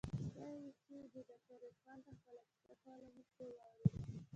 بيا چې دې ډاکتر عرفان ته خپله کيسه کوله موږ ټوله واورېده.